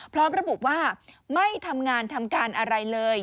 พร้อมระบุว่าไม่ทำงานทำการอะไรเลย